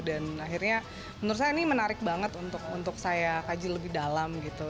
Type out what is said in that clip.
dan akhirnya menurut saya ini menarik banget untuk saya kaji lebih dalam gitu